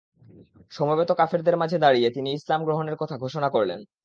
সমবেত কাফেরদের মাঝে দাঁড়িয়ে তিনি ইসলাম গ্রহণের কথা ঘোষণা করলেন।